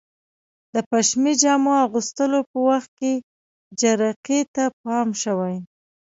د پشمي جامو اغوستلو په وخت کې جرقې ته پام شوی؟